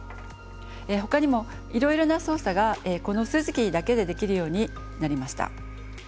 ほかにもいろいろな操作がこの数字キーだけでできるようになりました。